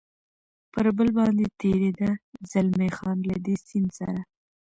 پر پل باندې تېرېده، زلمی خان: له دې سیند سره.